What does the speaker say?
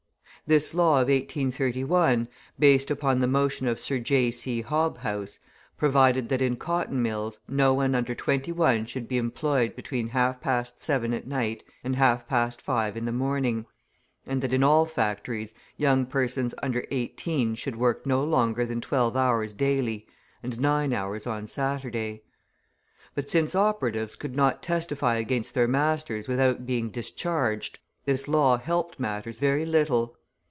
This law of 1831, based upon the motion of Sir J. C. Hobhouse, provided that in cotton mills no one under twenty one should be employed between half past seven at night and half past five in the morning; and that in all factories young persons under eighteen should work no longer than twelve hours daily, and nine hours on Saturday. But since operatives could not testify against their masters without being discharged, this law helped matters very little.